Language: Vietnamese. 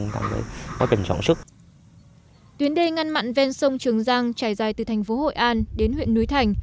tuyến đê ngăn mặn ven sông trường giang trải dài từ thành phố hội an đến huyện núi thành